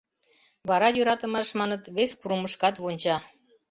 Вара йӧратымаш, маныт, вес курымышкат вонча.